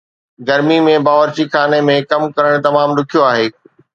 گرمي ۾ باورچی خانه ۾ ڪم ڪرڻ تمام ڏکيو آهي